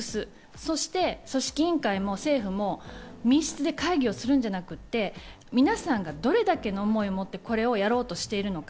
そして組織委員会も政府も密室で会議をするのではなくてみなさんがどれだけの思いを持ってこれをやろうとしているのか。